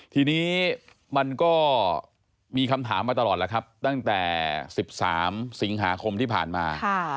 ทีนี้มันก็มีคำถามมาตลอดแล้วครับตั้งแต่๑๓สิงหาคมที่ผ่านมา